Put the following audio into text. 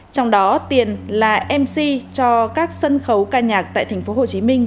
trong đó tiền là mc cho các sân khấu ca nhạc tại tp hcm